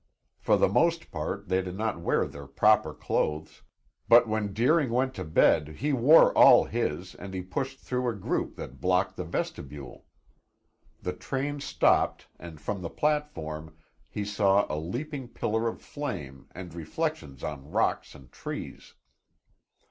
For the most part, they did not wear their proper clothes, but when Deering went to bed he wore all his and he pushed through a group that blocked the vestibule. The train stopped and from the platform he saw a leaping pillar of flame and reflections on rocks and trees.